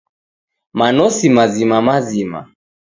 Manosi mazima-mazima